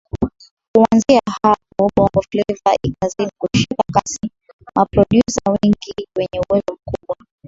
Kuanzia hapo Bongo Fleva ikazidi kushika kasi maprodyuza wengi wenye uwezo mkubwa